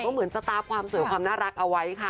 เหมือนสตาร์ฟความสวยความน่ารักเอาไว้ค่ะ